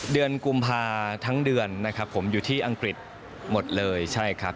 กุมภาทั้งเดือนนะครับผมอยู่ที่อังกฤษหมดเลยใช่ครับ